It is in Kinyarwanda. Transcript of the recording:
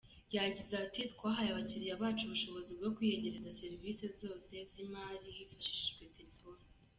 Yagize ati "Twahaye abakiriya bacu ubushobozi bwo kwiyegereza serivisi zose z’imari hifashishijwe telefoni.